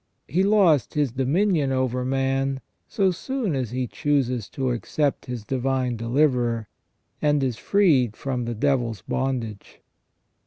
He lost his dominion over man so soon as he chooses to accept his Divine Deliverer, and is freed from the devil's bondage.